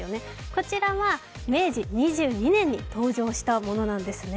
こちらは明治２２年に登場したものなんですね。